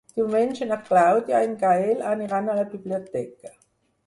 Diumenge na Clàudia i en Gaël aniran a la biblioteca.